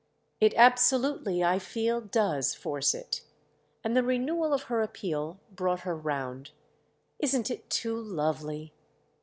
"It absolutely, I feel, does force it." And the renewal of her appeal brought her round. "Isn't it too lovely?"